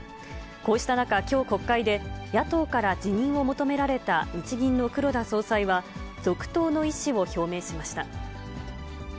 こうした中、きょう国会で、野党から辞任を求められた日銀の黒田総裁は、続投の意思を表明しました。